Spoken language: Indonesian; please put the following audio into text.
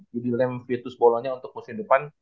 jadi lem fitus bolonya untuk musim depan